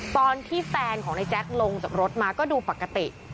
ตอนที่แฟนของนายแจ๊คลงจากรถมาก็ดูปกติ